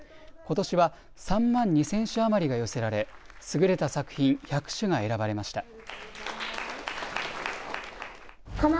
ことしは３万２０００首余りが寄せられ優れた作品１００首が選ばれました。